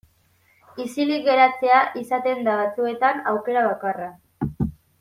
Isilik geratzea izaten da batzuetan aukera bakarra.